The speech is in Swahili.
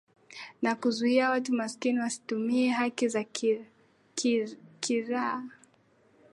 na kuzuia watu maskini wasitumie haki za kiraa